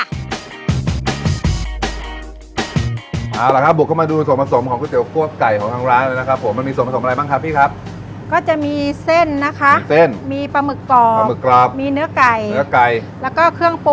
เอาล่ะครับบุกเข้ามาดูส่วนผสมของก๋วยเตี๋ยวคั่วไก่ของทางร้านเลยนะครับผมมันมีส่วนผสมอะไรบ้างคะพี่ครับ